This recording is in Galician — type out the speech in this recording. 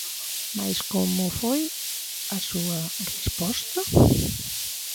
Mais, como foi a súa resposta?